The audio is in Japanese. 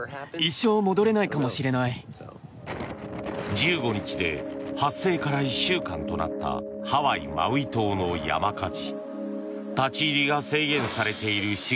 １５日で発生から１週間となったハワイ・マウイ島の山火事。